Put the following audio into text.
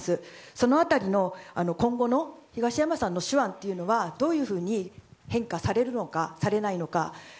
その辺りの今後の東山さんの手腕というのはどういうふうに変化されるのかされないのか。